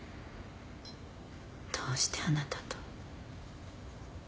どうしてあなたと。